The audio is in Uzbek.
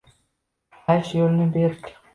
Aysh yo’lin berk